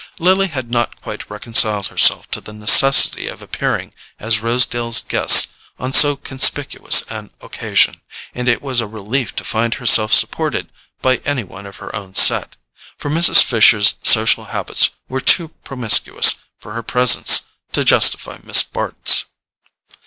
Lily had not quite reconciled herself to the necessity of appearing as Rosedale's guest on so conspicuous an occasion, and it was a relief to find herself supported by any one of her own set—for Mrs. Fisher's social habits were too promiscuous for her presence to justify Miss Bart's.